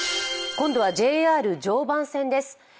今度はＪＲ常磐線です。